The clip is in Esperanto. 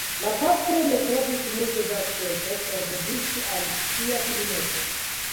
La patro ne trovis multe da tempo por dediĉi al sia filineto.